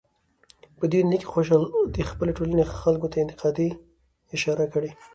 په دې يونليک کې خوشحال د خپلې ټولنې خلکو ته انتقادي اشاره کړى